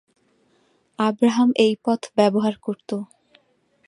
Abraham এই পথ ব্যবহার করত।